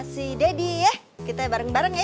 si deddy ya kita bareng bareng ya